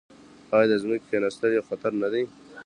آیا د ځمکې کیناستل یو خطر نه دی؟